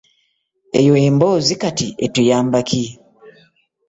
Eyo emboozi kati etuyamba ki?